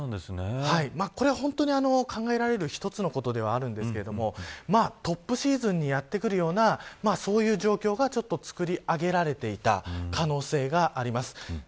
これは本当に考えられる一つのことではあるんですがトップシーズンにやってくるようなそういう状況が作り上げられていた可能性があります。